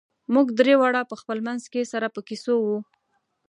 موږ درې واړه په خپل منځ کې سره په کیسو وو.